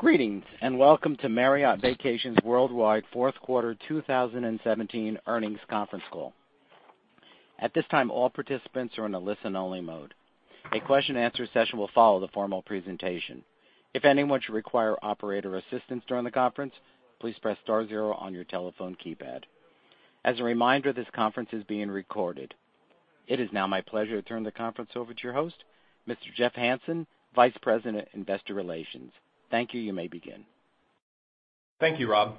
Greetings, welcome to Marriott Vacations Worldwide fourth quarter 2017 earnings conference call. At this time, all participants are in a listen-only mode. A question and answer session will follow the formal presentation. If anyone should require operator assistance during the conference, please press star zero on your telephone keypad. As a reminder, this conference is being recorded. It is now my pleasure to turn the conference over to your host, Mr. Jeff Hansen, Vice President, Investor Relations. Thank you. You may begin. Thank you, Rob.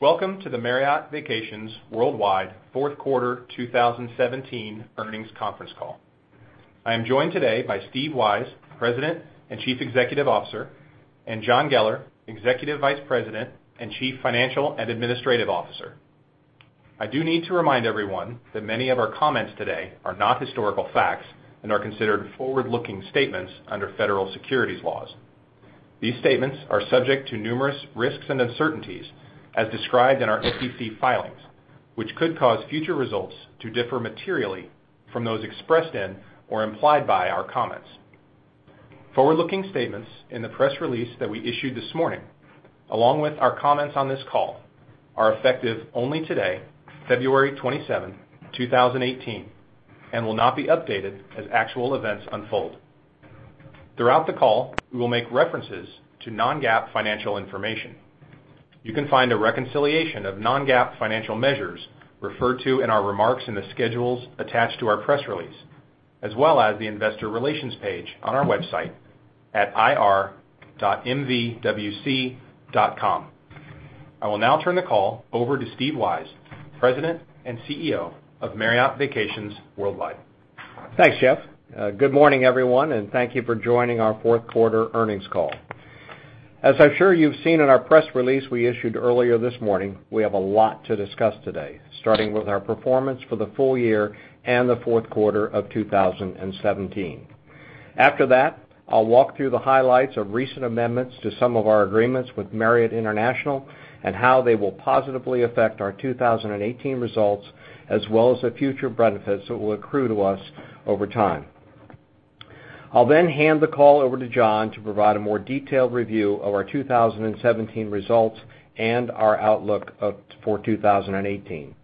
Welcome to the Marriott Vacations Worldwide fourth quarter 2017 earnings conference call. I am joined today by Steve Weisz, President and Chief Executive Officer, and John Geller, Executive Vice President and Chief Financial and Administrative Officer. I do need to remind everyone that many of our comments today are not historical facts and are considered forward-looking statements under federal securities laws. These statements are subject to numerous risks and uncertainties as described in our SEC filings, which could cause future results to differ materially from those expressed in or implied by our comments. Forward-looking statements in the press release that we issued this morning, along with our comments on this call, are effective only today, February 27, 2018, and will not be updated as actual events unfold. Throughout the call, we will make references to non-GAAP financial information. You can find a reconciliation of non-GAAP financial measures referred to in our remarks in the schedules attached to our press release, as well as the investor relations page on our website at ir.mvwc.com. I will now turn the call over to Steve Weisz, President and CEO of Marriott Vacations Worldwide. Thanks, Jeff. Good morning, everyone, thank you for joining our fourth quarter earnings call. As I'm sure you've seen in our press release we issued earlier this morning, we have a lot to discuss today, starting with our performance for the full year and the fourth quarter of 2017. After that, I'll walk through the highlights of recent amendments to some of our agreements with Marriott International and how they will positively affect our 2018 results, as well as the future benefits that will accrue to us over time. I'll then hand the call over to John to provide a more detailed review of our 2017 results and our outlook for 2018.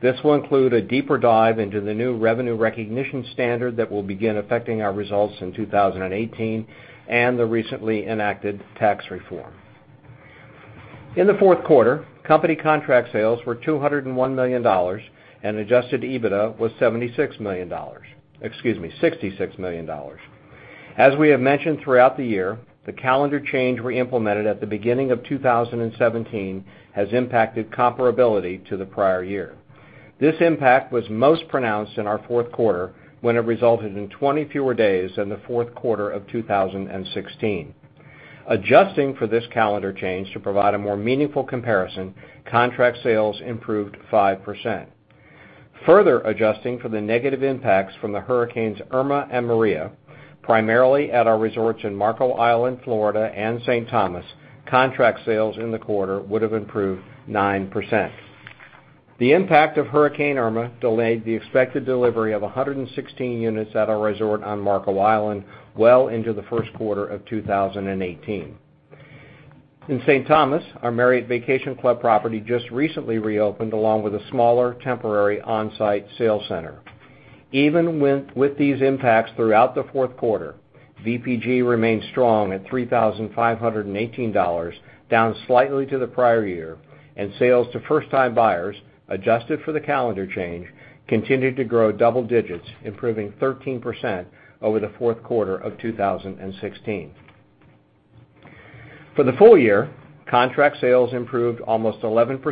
This will include a deeper dive into the new revenue recognition standard that will begin affecting our results in 2018 and the recently enacted tax reform. In the fourth quarter, company contract sales were $201 million, and adjusted EBITDA was $76 million. Excuse me, $66 million. As we have mentioned throughout the year, the calendar change we implemented at the beginning of 2017 has impacted comparability to the prior year. This impact was most pronounced in our fourth quarter, when it resulted in 20 fewer days than the fourth quarter of 2016. Adjusting for this calendar change to provide a more meaningful comparison, contract sales improved 5%. Further adjusting for the negative impacts from Hurricanes Irma and Maria, primarily at our resorts in Marco Island, Florida and Saint Thomas, contract sales in the quarter would have improved 9%. The impact of Hurricane Irma delayed the expected delivery of 116 units at our resort on Marco Island well into the first quarter of 2018. In Saint Thomas, our Marriott Vacation Club property just recently reopened, along with a smaller temporary on-site sales center. Even with these impacts throughout the fourth quarter, VPG remained strong at $3,518, down slightly to the prior year, and sales to first-time buyers, adjusted for the calendar change, continued to grow double digits, improving 13% over the fourth quarter of 2016. For the full year, contract sales improved almost 11%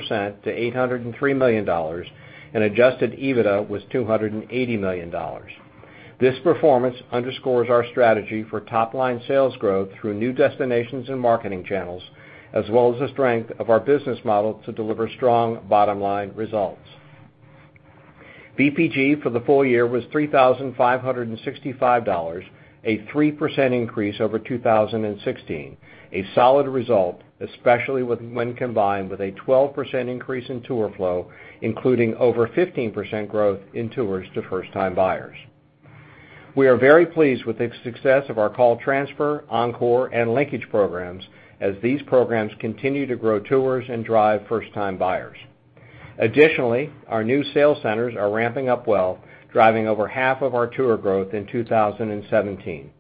to $803 million, and adjusted EBITDA was $280 million. This performance underscores our strategy for top-line sales growth through new destinations and marketing channels, as well as the strength of our business model to deliver strong bottom-line results. VPG for the full year was $3,565, a 3% increase over 2016. A solid result, especially when combined with a 12% increase in tour flow, including over 15% growth in tours to first-time buyers. We are very pleased with the success of our call transfer, encore, and linkage programs as these programs continue to grow tours and drive first-time buyers. Additionally, our new sales centers are ramping up well, driving over half of our tour growth in 2017.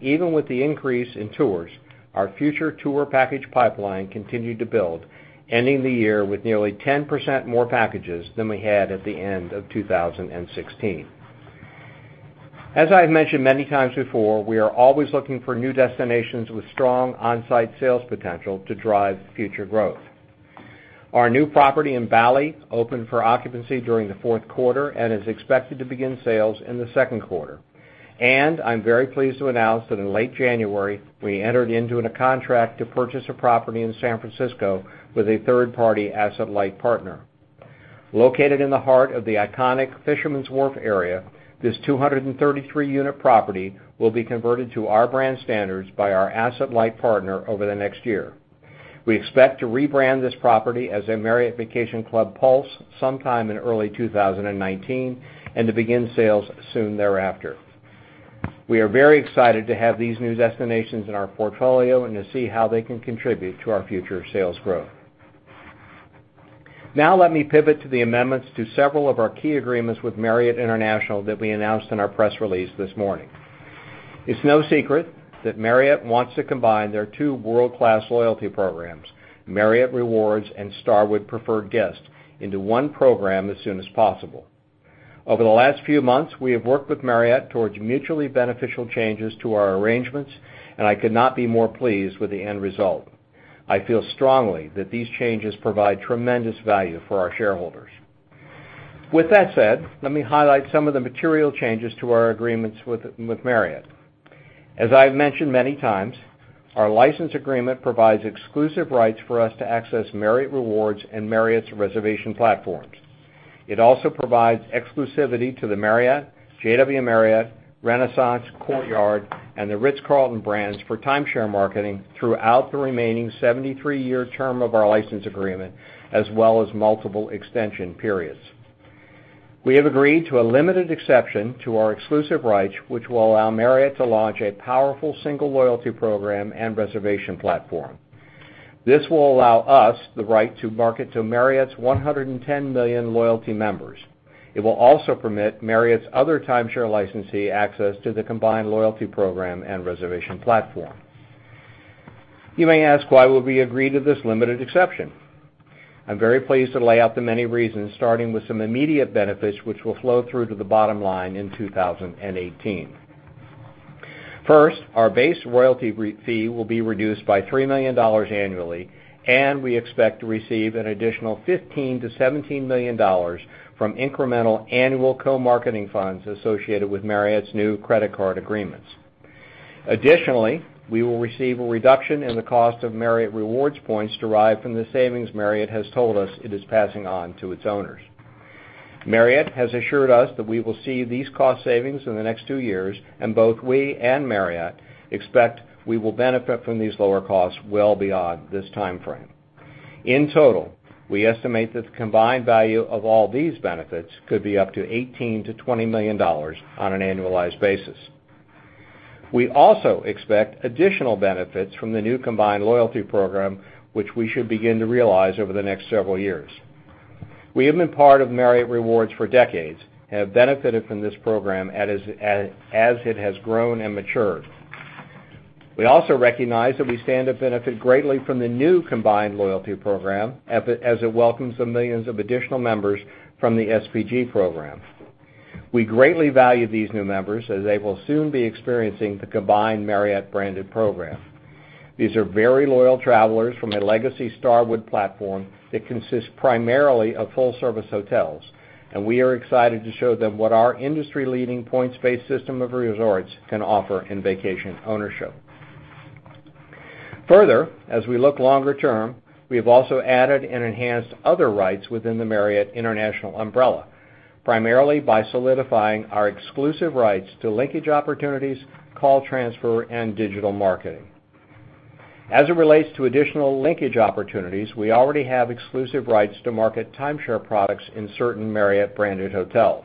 Even with the increase in tours, our future tour package pipeline continued to build, ending the year with nearly 10% more packages than we had at the end of 2016. As I have mentioned many times before, we are always looking for new destinations with strong on-site sales potential to drive future growth. Our new property in Bali opened for occupancy during the fourth quarter and is expected to begin sales in the second quarter. I'm very pleased to announce that in late January, we entered into a contract to purchase a property in San Francisco with a third-party asset-light partner. Located in the heart of the iconic Fisherman's Wharf area, this 233-unit property will be converted to our brand standards by our asset-light partner over the next year. We expect to rebrand this property as a Marriott Vacation Club Pulse sometime in early 2019, and to begin sales soon thereafter. We are very excited to have these new destinations in our portfolio and to see how they can contribute to our future sales growth. Let me pivot to the amendments to several of our key agreements with Marriott International that we announced in our press release this morning. It's no secret that Marriott wants to combine their two world-class loyalty programs, Marriott Rewards and Starwood Preferred Guest, into one program as soon as possible. Over the last few months, we have worked with Marriott towards mutually beneficial changes to our arrangements. I could not be more pleased with the end result. I feel strongly that these changes provide tremendous value for our shareholders. With that said, let me highlight some of the material changes to our agreements with Marriott. As I've mentioned many times, our license agreement provides exclusive rights for us to access Marriott Rewards and Marriott's reservation platforms. It also provides exclusivity to the Marriott, JW Marriott, Renaissance, Courtyard, and The Ritz-Carlton brands for timeshare marketing throughout the remaining 73-year term of our license agreement, as well as multiple extension periods. We have agreed to a limited exception to our exclusive rights, which will allow Marriott to launch a powerful single loyalty program and reservation platform. This will allow us the right to market to Marriott's 110 million loyalty members. It will also permit Marriott's other timeshare licensee access to the combined loyalty program and reservation platform. You may ask why would we agree to this limited exception? I'm very pleased to lay out the many reasons, starting with some immediate benefits which will flow through to the bottom line in 2018. First, our base royalty fee will be reduced by $3 million annually. We expect to receive an additional $15 million to $17 million from incremental annual co-marketing funds associated with Marriott's new credit card agreements. Additionally, we will receive a reduction in the cost of Marriott Rewards points derived from the savings Marriott has told us it is passing on to its owners. Marriott has assured us that we will see these cost savings in the next two years, and both we and Marriott expect we will benefit from these lower costs well beyond this timeframe. In total, we estimate that the combined value of all these benefits could be up to $18 million to $20 million on an annualized basis. We also expect additional benefits from the new combined loyalty program, which we should begin to realize over the next several years. We have been part of Marriott Rewards for decades and have benefited from this program as it has grown and matured. We also recognize that we stand to benefit greatly from the new combined loyalty program as it welcomes the millions of additional members from the SPG program. We greatly value these new members, as they will soon be experiencing the combined Marriott-branded program. These are very loyal travelers from a legacy Starwood platform that consists primarily of full-service hotels, and we are excited to show them what our industry-leading points-based system of resorts can offer in vacation ownership. As we look longer term, we have also added and enhanced other rights within the Marriott International umbrella, primarily by solidifying our exclusive rights to linkage opportunities, call transfer, and digital marketing. As it relates to additional linkage opportunities, we already have exclusive rights to market timeshare products in certain Marriott-branded hotels.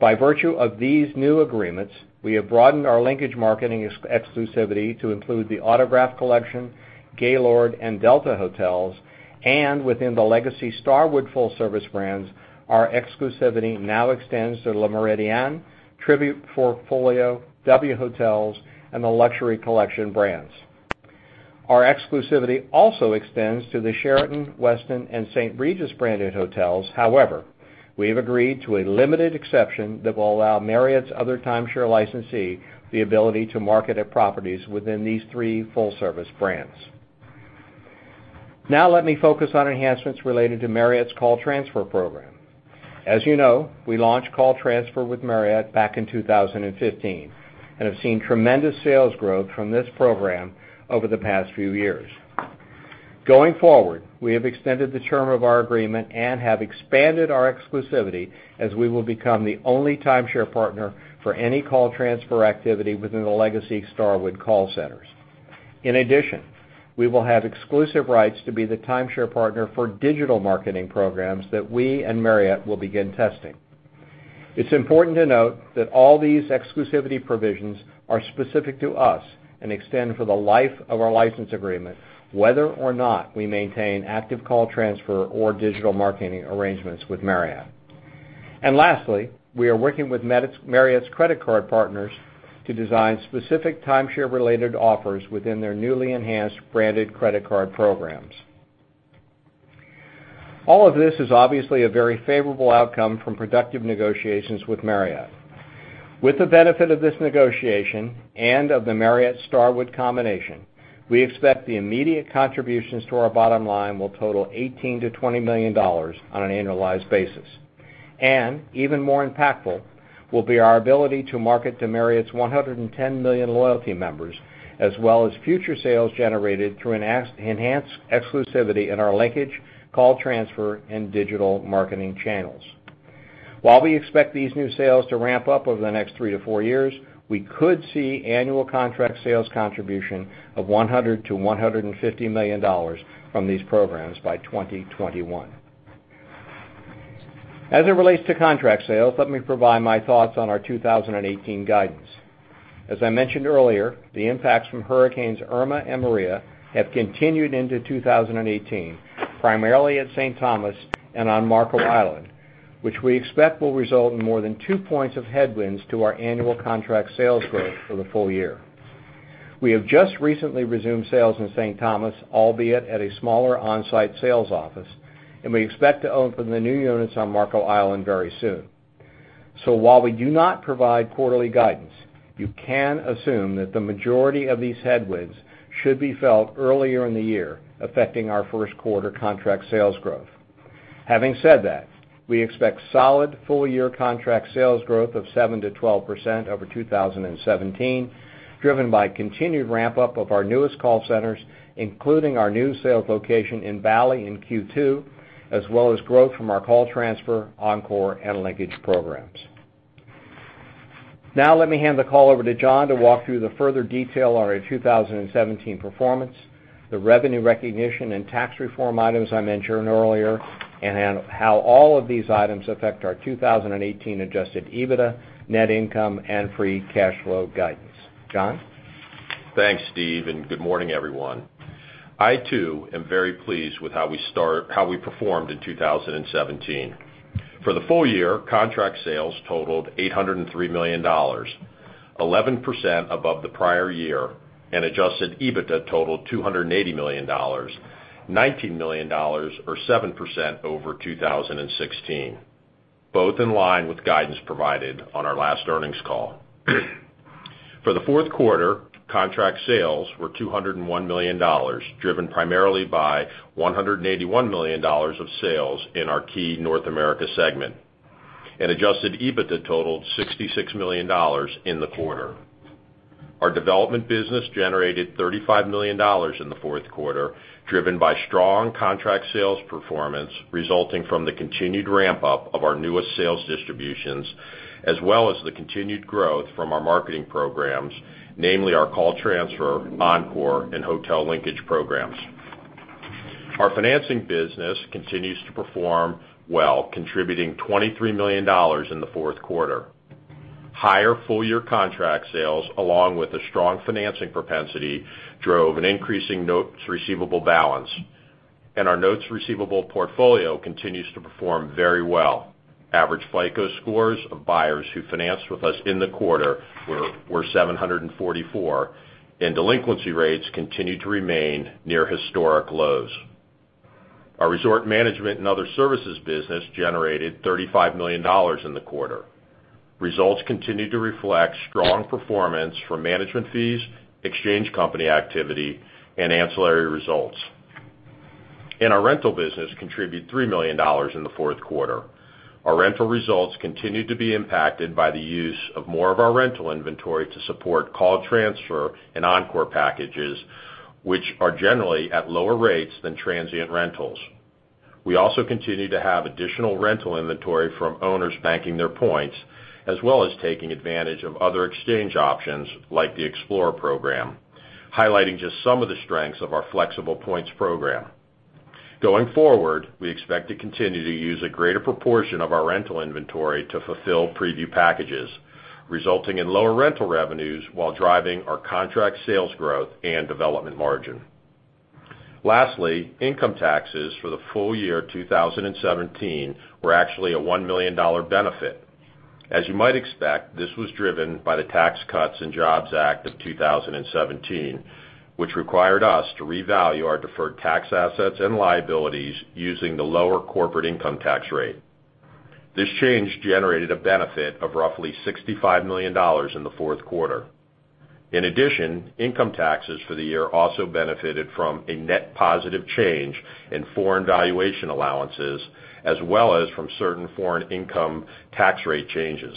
By virtue of these new agreements, we have broadened our linkage marketing exclusivity to include the Autograph Collection, Gaylord, and Delta Hotels, and within the legacy Starwood full-service brands, our exclusivity now extends to Le Méridien, Tribute Portfolio, W Hotels, and The Luxury Collection brands. Our exclusivity also extends to the Sheraton, Westin, and St. Regis branded hotels. However, we have agreed to a limited exception that will allow Marriott's other timeshare licensee the ability to market at properties within these three full-service brands. Let me focus on enhancements related to Marriott's call transfer program. As you know, we launched call transfer with Marriott back in 2015 and have seen tremendous sales growth from this program over the past few years. Going forward, we have extended the term of our agreement and have expanded our exclusivity as we will become the only timeshare partner for any call transfer activity within the legacy Starwood call centers. In addition, we will have exclusive rights to be the timeshare partner for digital marketing programs that we and Marriott will begin testing. It's important to note that all these exclusivity provisions are specific to us and extend for the life of our license agreement, whether or not we maintain active call transfer or digital marketing arrangements with Marriott. Lastly, we are working with Marriott's credit card partners to design specific timeshare-related offers within their newly enhanced branded credit card programs. All of this is obviously a very favorable outcome from productive negotiations with Marriott. With the benefit of this negotiation and of the Marriott-Starwood combination, we expect the immediate contributions to our bottom line will total $18 million to $20 million on an annualized basis. Even more impactful will be our ability to market to Marriott's 110 million loyalty members, as well as future sales generated through enhanced exclusivity in our linkage, call transfer, and digital marketing channels. While we expect these new sales to ramp up over the next three to four years, we could see annual contract sales contribution of $100 million to $150 million from these programs by 2021. As it relates to contract sales, let me provide my thoughts on our 2018 guidance. As I mentioned earlier, the impacts from Hurricanes Irma and Maria have continued into 2018, primarily at St. Thomas and on Marco Island, which we expect will result in more than two points of headwinds to our annual contract sales growth for the full year. We have just recently resumed sales in St. Thomas, albeit at a smaller on-site sales office, and we expect to open the new units on Marco Island very soon. While we do not provide quarterly guidance, you can assume that the majority of these headwinds should be felt earlier in the year, affecting our first quarter contract sales growth. Having said that, we expect solid full-year contract sales growth of 7%-12% over 2017, driven by continued ramp-up of our newest call centers, including our new sales location in Bali in Q2, as well as growth from our call transfer, encore, and linkage programs. Let me hand the call over to John to walk through the further detail on our 2017 performance, the revenue recognition and tax reform items I mentioned earlier, and how all of these items affect our 2018 adjusted EBITDA, net income, and free cash flow guidance. John? Thanks, Steve, and good morning, everyone. I too am very pleased with how we performed in 2017. For the full year, contract sales totaled $803 million, 11% above the prior year, adjusted EBITDA totaled $280 million, $19 million or 7% over 2016, both in line with guidance provided on our last earnings call. For the fourth quarter, contract sales were $201 million, driven primarily by $181 million of sales in our key North America segment, adjusted EBITDA totaled $66 million in the quarter. Our development business generated $35 million in the fourth quarter, driven by strong contract sales performance resulting from the continued ramp-up of our newest sales distributions, as well as the continued growth from our marketing programs, namely our Call Transfer, Encore, and Hotel Linkage programs. Our financing business continues to perform well, contributing $23 million in the fourth quarter. Higher full-year contract sales, along with the strong financing propensity, drove an increasing notes receivable balance. Our notes receivable portfolio continues to perform very well. Average FICO scores of buyers who financed with us in the quarter were 744. Delinquency rates continue to remain near historic lows. Our resort management and other services business generated $35 million in the quarter. Results continue to reflect strong performance from management fees, exchange company activity, and ancillary results. Our rental business contributed $3 million in the fourth quarter. Our rental results continued to be impacted by the use of more of our rental inventory to support Call Transfer and Encore packages, which are generally at lower rates than transient rentals. We also continue to have additional rental inventory from owners banking their points, as well as taking advantage of other exchange options like the Explorer Collection, highlighting just some of the strengths of our flexible points program. Going forward, we expect to continue to use a greater proportion of our rental inventory to fulfill preview packages, resulting in lower rental revenues while driving our contract sales growth and development margin. Lastly, income taxes for the full year 2017 were actually a $1 million benefit. As you might expect, this was driven by the Tax Cuts and Jobs Act of 2017, which required us to revalue our deferred tax assets and liabilities using the lower corporate income tax rate. This change generated a benefit of roughly $65 million in the fourth quarter. In addition, income taxes for the year also benefited from a net positive change in foreign valuation allowances, as well as from certain foreign income tax rate changes.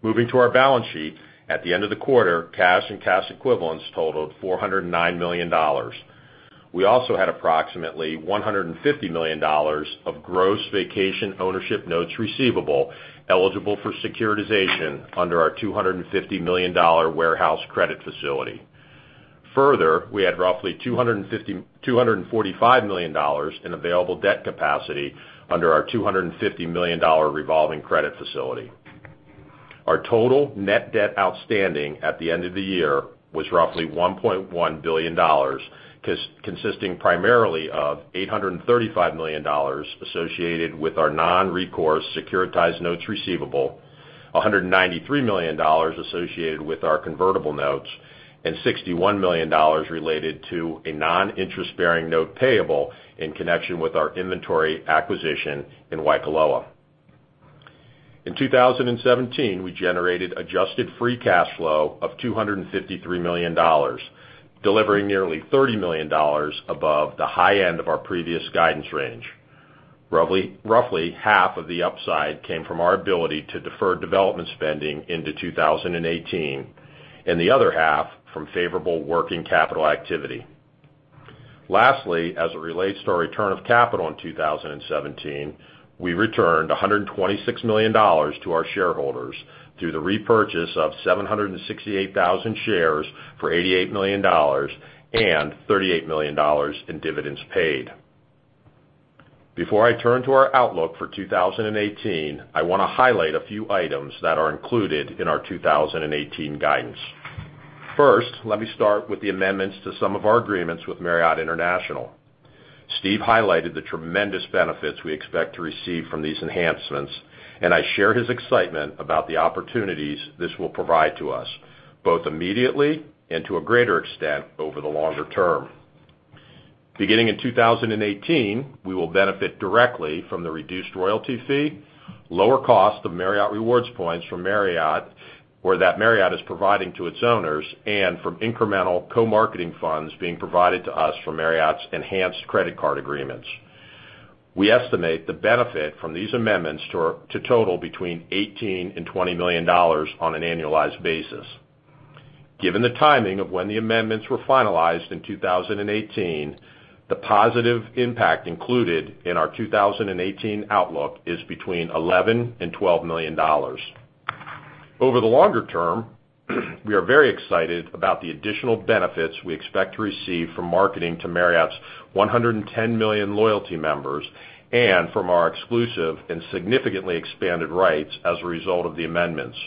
Moving to our balance sheet. At the end of the quarter, cash and cash equivalents totaled $409 million. We also had approximately $150 million of gross vacation ownership notes receivable eligible for securitization under our $250 million warehouse credit facility. We had roughly $245 million in available debt capacity under our $250 million revolving credit facility. Our total net debt outstanding at the end of the year was roughly $1.1 billion, consisting primarily of $835 million associated with our non-recourse securitized notes receivable, $193 million associated with our convertible notes, and $61 million related to a non-interest-bearing note payable in connection with our inventory acquisition in Waikoloa. In 2017, we generated adjusted free cash flow of $253 million, delivering nearly $30 million above the high end of our previous guidance range. Roughly half of the upside came from our ability to defer development spending into 2018, and the other half from favorable working capital activity. Lastly, as it relates to our return of capital in 2017, we returned $126 million to our shareholders through the repurchase of 768,000 shares for $88 million and $38 million in dividends paid. Before I turn to our outlook for 2018, I want to highlight a few items that are included in our 2018 guidance. First, let me start with the amendments to some of our agreements with Marriott International. Steve highlighted the tremendous benefits we expect to receive from these enhancements, I share his excitement about the opportunities this will provide to us, both immediately and to a greater extent over the longer term. Beginning in 2018, we will benefit directly from the reduced royalty fee, lower cost of Marriott Rewards points from Marriott, where that Marriott is providing to its owners, and from incremental co-marketing funds being provided to us from Marriott's enhanced credit card agreements. We estimate the benefit from these amendments to total between $18 and $20 million on an annualized basis. Given the timing of when the amendments were finalized in 2018, the positive impact included in our 2018 outlook is between $11 and $12 million. Over the longer term, we are very excited about the additional benefits we expect to receive from marketing to Marriott's 110 million loyalty members and from our exclusive and significantly expanded rights as a result of the amendments.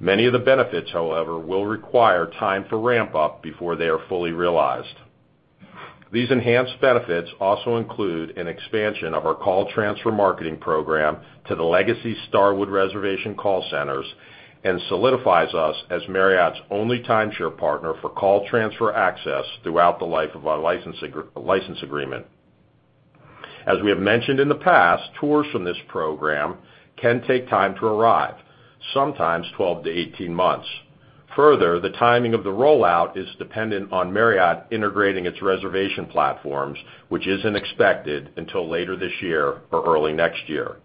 Many of the benefits, however, will require time for ramp-up before they are fully realized. These enhanced benefits also include an expansion of our call transfer marketing program to the Legacy Starwood reservation call centers and solidifies us as Marriott's only timeshare partner for call transfer access throughout the life of our license agreement. As we have mentioned in the past, tours from this program can take time to arrive, sometimes 12 to 18 months. Further, the timing of the rollout is dependent on Marriott integrating its reservation platforms, which isn't expected until later this year or early next year.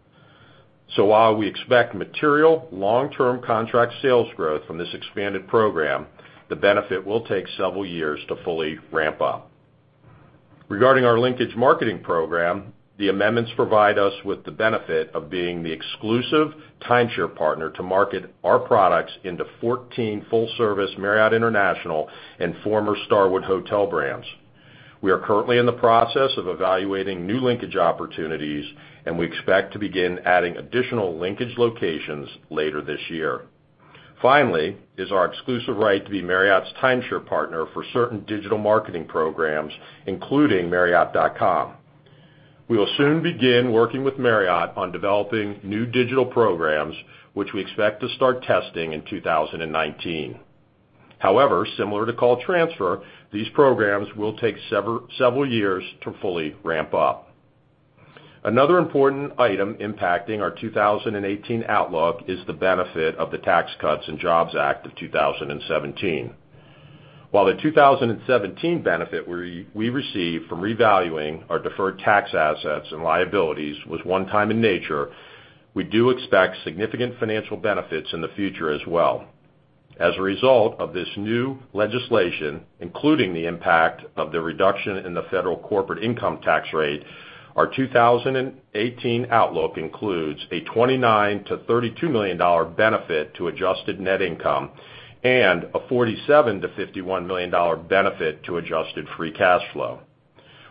While we expect material long-term contract sales growth from this expanded program, the benefit will take several years to fully ramp up. Regarding our linkage marketing program, the amendments provide us with the benefit of being the exclusive timeshare partner to market our products into 14 full-service Marriott International and former Starwood Hotel brands. We are currently in the process of evaluating new linkage opportunities, we expect to begin adding additional linkage locations later this year. Finally is our exclusive right to be Marriott's timeshare partner for certain digital marketing programs, including marriott.com. We will soon begin working with Marriott on developing new digital programs, which we expect to start testing in 2019. However, similar to call transfer, these programs will take several years to fully ramp up. Another important item impacting our 2018 outlook is the benefit of the Tax Cuts and Jobs Act of 2017. While the 2017 benefit we received from revaluing our deferred tax assets and liabilities was one time in nature, we do expect significant financial benefits in the future as well. As a result of this new legislation, including the impact of the reduction in the federal corporate income tax rate, our 2018 outlook includes a $29 million-$32 million benefit to adjusted net income and a $47 million-$51 million benefit to adjusted free cash flow.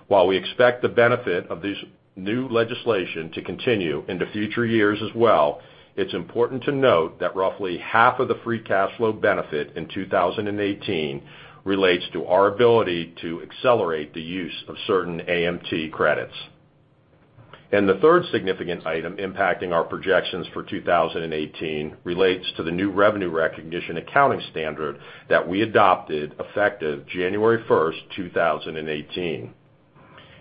While we expect the benefit of this new legislation to continue into future years as well, it's important to note that roughly half of the free cash flow benefit in 2018 relates to our ability to accelerate the use of certain AMT credits. The third significant item impacting our projections for 2018 relates to the new revenue recognition accounting standard that we adopted effective January 1st, 2018.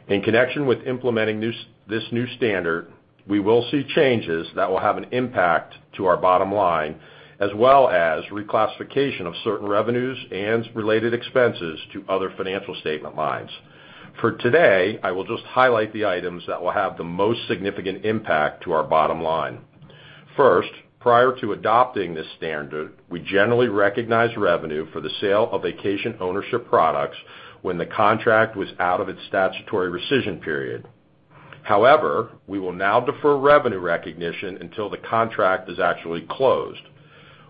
In connection with implementing this new standard, we will see changes that will have an impact to our bottom line, as well as reclassification of certain revenues and related expenses to other financial statement lines. For today, I will just highlight the items that will have the most significant impact to our bottom line. First, prior to adopting this standard, we generally recognized revenue for the sale of vacation ownership products when the contract was out of its statutory rescission period. However, we will now defer revenue recognition until the contract is actually closed.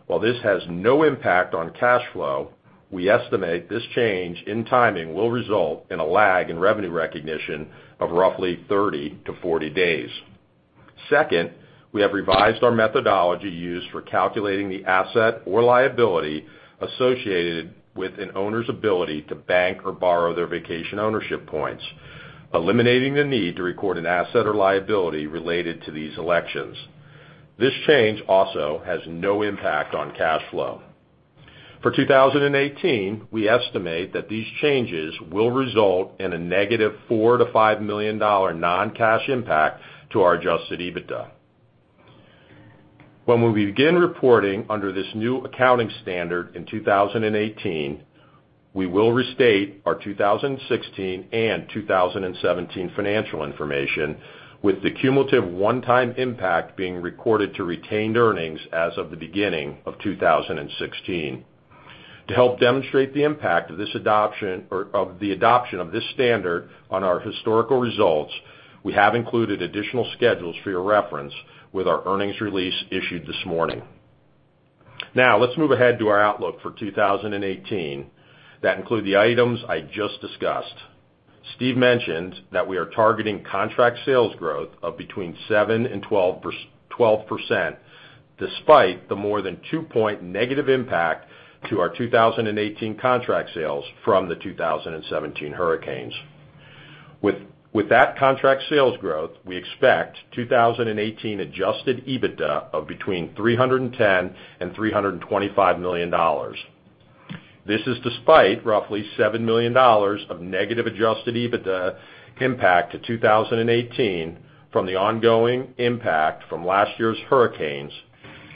While this has no impact on cash flow, we estimate this change in timing will result in a lag in revenue recognition of roughly 30-40 days. Second, we have revised our methodology used for calculating the asset or liability associated with an owner's ability to bank or borrow their vacation ownership points, eliminating the need to record an asset or liability related to these elections. This change also has no impact on cash flow. For 2018, we estimate that these changes will result in a negative $4 million-$5 million non-cash impact to our adjusted EBITDA. When we begin reporting under this new accounting standard in 2018, we will restate our 2016 and 2017 financial information with the cumulative one-time impact being recorded to retained earnings as of the beginning of 2016. To help demonstrate the impact of the adoption of this standard on our historical results, we have included additional schedules for your reference with our earnings release issued this morning. Let's move ahead to our outlook for 2018. That include the items I just discussed. Steve mentioned that we are targeting contract sales growth of between 7%-12%, despite the more than two-point negative impact to our 2018 contract sales from the 2017 hurricanes. With that contract sales growth, we expect 2018 adjusted EBITDA of between $310 million-$325 million. This is despite roughly $7 million of negative adjusted EBITDA impact to 2018 from the ongoing impact from last year's hurricanes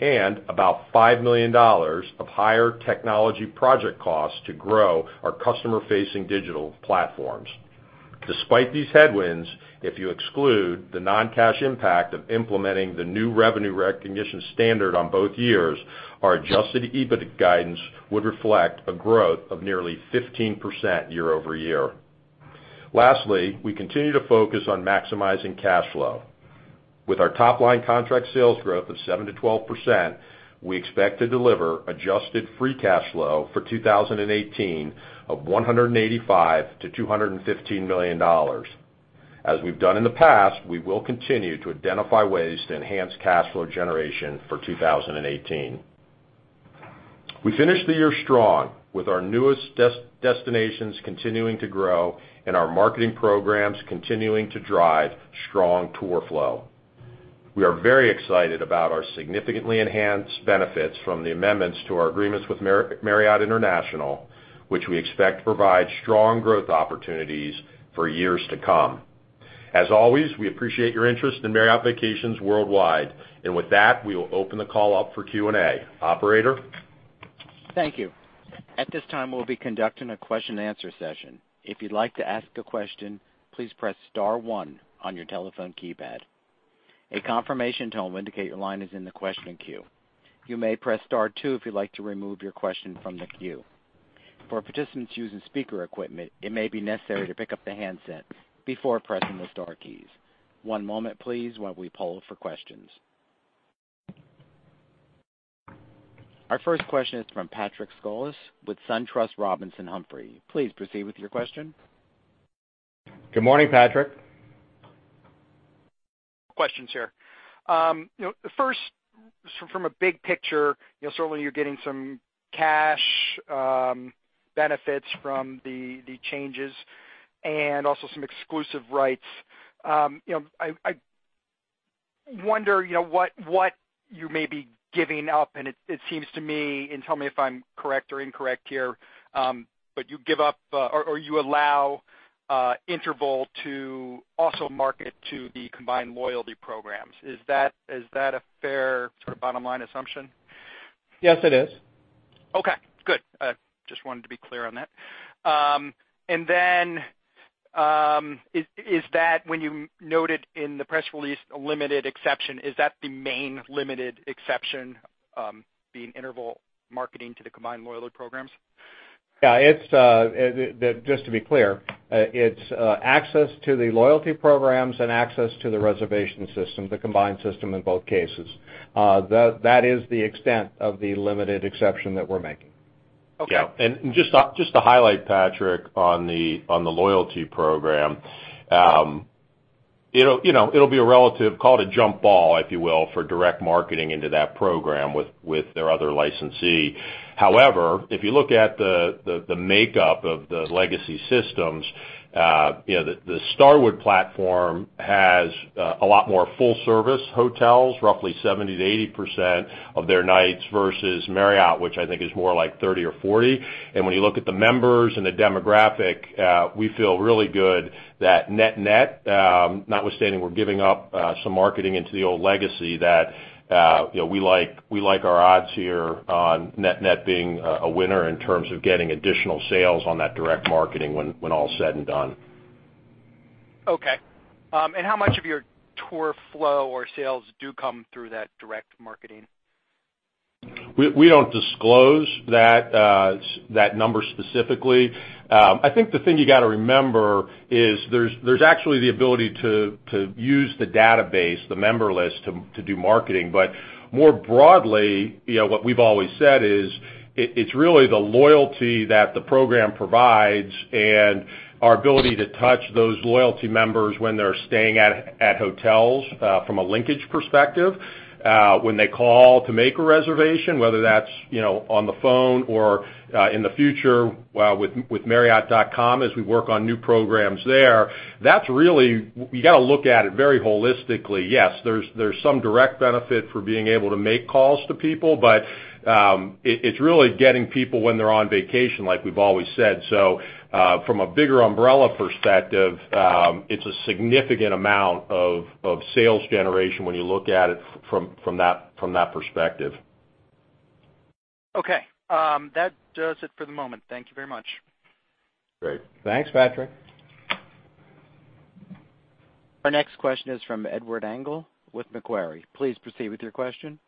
and about $5 million of higher technology project costs to grow our customer-facing digital platforms. Despite these headwinds, if you exclude the non-cash impact of implementing the new revenue recognition standard on both years, our adjusted EBITDA guidance would reflect a growth of nearly 15% year-over-year. Lastly, we continue to focus on maximizing cash flow. With our top-line contract sales growth of 7%-12%, we expect to deliver adjusted free cash flow for 2018 of $185 million-$215 million. As we've done in the past, we will continue to identify ways to enhance cash flow generation for 2018. We finished the year strong with our newest destinations continuing to grow and our marketing programs continuing to drive strong tour flow. We are very excited about our significantly enhanced benefits from the amendments to our agreements with Marriott International, which we expect to provide strong growth opportunities for years to come. As always, we appreciate your interest in Marriott Vacations Worldwide. With that, we will open the call up for Q&A. Operator? Thank you. At this time, we'll be conducting a question and answer session. If you'd like to ask a question, please press *1 on your telephone keypad. A confirmation tone will indicate your line is in the question queue. You may press *2 if you'd like to remove your question from the queue. For participants using speaker equipment, it may be necessary to pick up the handset before pressing the star keys. One moment please while we poll for questions. Our first question is from Patrick Scholes with SunTrust Robinson Humphrey. Please proceed with your question. Good morning, Patrick. Questions here. First, from a big picture, certainly you're getting some cash benefits from the changes and also some exclusive rights. I wonder what you may be giving up, and it seems to me, and tell me if I'm correct or incorrect here, but you allow Interval to also market to the combined loyalty programs. Is that a fair bottom-line assumption? Yes, it is. Okay, good. Just wanted to be clear on that. Then, when you noted in the press release a limited exception, is that the main limited exception, the Interval marketing to the combined loyalty programs? Yes. Just to be clear, it's access to the loyalty programs and access to the reservation system, the combined system in both cases. That is the extent of the limited exception that we're making. Okay. Yes. Just to highlight, Patrick, on the loyalty program, it'll be a relative, call it a jump ball, if you will, for direct marketing into that program with their other licensee. However, if you look at the makeup of the legacy systems, the Starwood platform has a lot more full-service hotels, roughly 70%-80% of their nights versus Marriott, which I think is more like 30% or 40%. When you look at the members and the demographic, we feel really good that net-net, notwithstanding we're giving up some marketing into the old legacy that we like our odds here on net-net being a winner in terms of getting additional sales on that direct marketing when all's said and done. Okay. How much of your tour flow or sales do come through that direct marketing? We don't disclose that number specifically. I think the thing you got to remember is there's actually the ability to use the database, the member list to do marketing. More broadly, what we've always said is it's really the loyalty that the program provides and our ability to touch those loyalty members when they're staying at hotels from a linkage perspective. When they call to make a reservation, whether that's on the phone or in the future with marriott.com as we work on new programs there, you got to look at it very holistically. Yes, there's some direct benefit for being able to make calls to people, but it's really getting people when they're on vacation, like we've always said. From a bigger umbrella perspective, it's a significant amount of sales generation when you look at it from that perspective. Okay. That does it for the moment. Thank you very much. Great. Thanks, Patrick. Our next question is from Edward Engel with Macquarie. Please proceed with your question.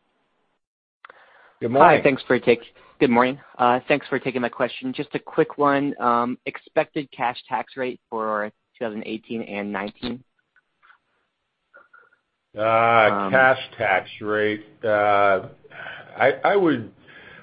Good morning. Hi. Good morning. Thanks for taking my question. Just a quick one. Expected cash tax rate for 2018 and 2019? Cash tax rate.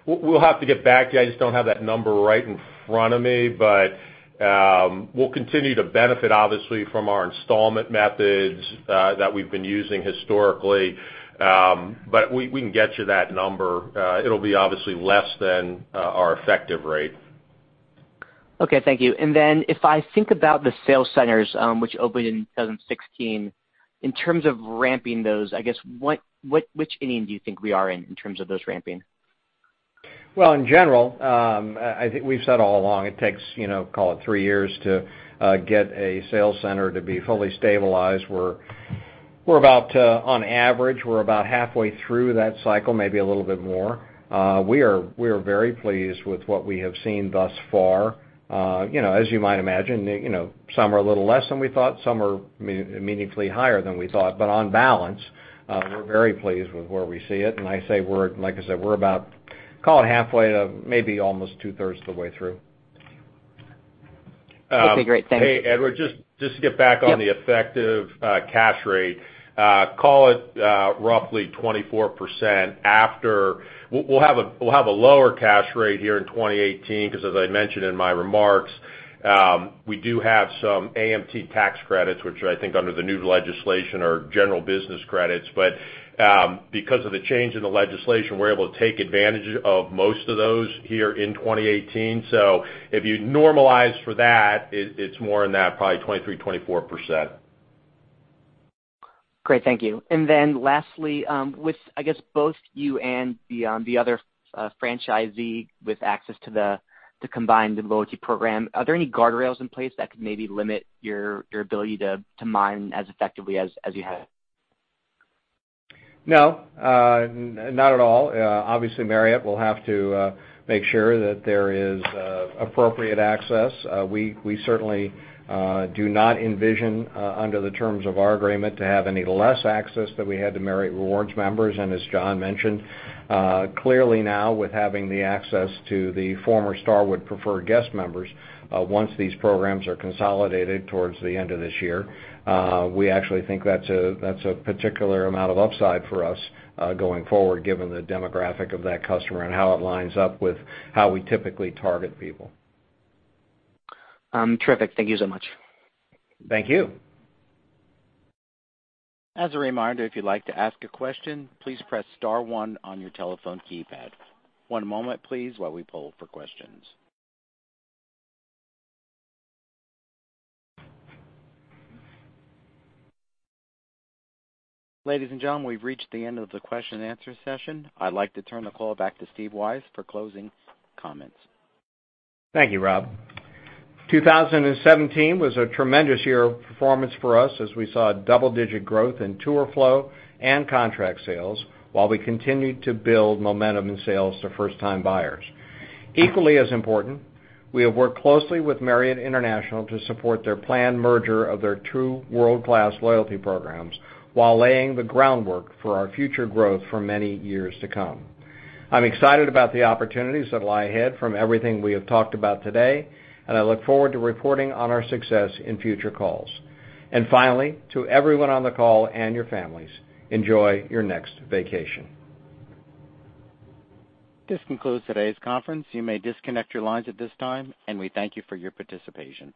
We'll have to get back to you. I just don't have that number right in front of me. We'll continue to benefit, obviously, from our installment methods that we've been using historically. We can get you that number. It'll be obviously less than our effective rate. Okay, thank you. If I think about the sales centers which opened in 2016, in terms of ramping those, I guess, which inning do you think we are in terms of those ramping? Well, in general, I think we've said all along it takes call it three years to get a sales center to be fully stabilized. On average, we're about halfway through that cycle, maybe a little bit more. We are very pleased with what we have seen thus far. As you might imagine, some are a little less than we thought, some are meaningfully higher than we thought. On balance, we're very pleased with where we see it. Like I said, we're about call it halfway to maybe almost two-thirds of the way through. Okay, great. Thank you. Hey, Edward, just to get back on the effective cash rate. Call it roughly 24%. We'll have a lower cash rate here in 2018 because as I mentioned in my remarks, we do have some AMT tax credits which I think under the new legislation are general business credits. Because of the change in the legislation, we're able to take advantage of most of those here in 2018. If you normalize for that, it's more in that probably 23%-24%. Great. Thank you. Then lastly, with, I guess, both you and the other franchisee with access to the combined loyalty program, are there any guardrails in place that could maybe limit your ability to mine as effectively as you have? No, not at all. Obviously, Marriott will have to make sure that there is appropriate access. We certainly do not envision under the terms of our agreement to have any less access than we had to Marriott Rewards members. As John mentioned, clearly now with having the access to the former Starwood Preferred Guest members, once these programs are consolidated towards the end of this year, we actually think that's a particular amount of upside for us going forward given the demographic of that customer and how it lines up with how we typically target people. Terrific. Thank you so much. Thank you. As a reminder, if you'd like to ask a question, please press *1 on your telephone keypad. One moment please while we poll for questions. Ladies and gentlemen, we've reached the end of the question and answer session. I'd like to turn the call back to Steve Weisz for closing comments. Thank you, Rob. 2017 was a tremendous year of performance for us as we saw double-digit growth in tour flow and contract sales while we continued to build momentum in sales to first-time buyers. Equally as important, we have worked closely with Marriott International to support their planned merger of their two world-class loyalty programs while laying the groundwork for our future growth for many years to come. I'm excited about the opportunities that lie ahead from everything we have talked about today, and I look forward to reporting on our success in future calls. Finally, to everyone on the call and your families, enjoy your next vacation. This concludes today's conference. You may disconnect your lines at this time, we thank you for your participation.